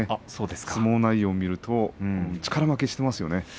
相撲内容を見ると力負けしていますよね。